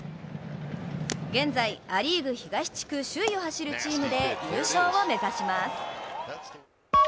現在、ア・リーグ東地区首位を走るチームで優勝を目指します。